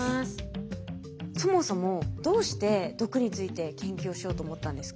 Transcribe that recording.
そもそもどうして毒について研究をしようと思ったんですか？